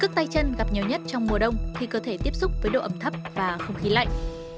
sức tay chân gặp nhiều nhất trong mùa đông khi cơ thể tiếp xúc với độ ẩm thấp và không khí lạnh